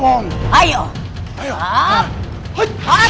aku tidak punya waktu melatihkan kalian